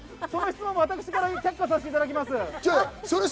その質問は私から却下させていただきます。